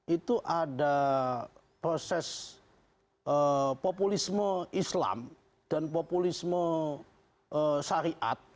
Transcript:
itu ada proses populisme islam dan populisme syariat